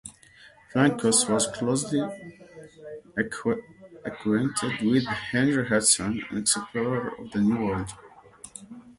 Plancius was closely acquainted with Henry Hudson, an explorer of the New World.